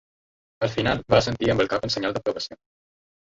Al final, va assentir amb el cap en senyal d'aprovació.